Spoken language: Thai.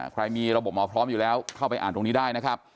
ใครมีระบบหมอพร้อมอยู่แล้วเข้าไปอ่านตรงนี้ได้นะครับ